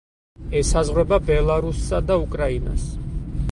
ესაზღვრება ბელარუსსა და უკრაინას.